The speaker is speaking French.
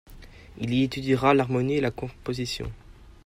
Il y étudiera l'harmonie et la composition.